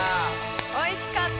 おいしかった！